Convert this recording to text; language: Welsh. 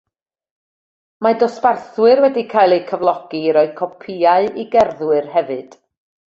Mae dosbarthwyr wedi cael eu cyflogi i roi copïau i gerddwyr hefyd.